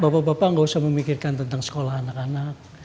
bapak bapak nggak usah memikirkan tentang sekolah anak anak